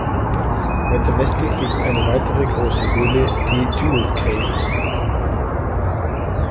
Weiter westlich liegt eine weitere große Höhle, die Jewel Cave.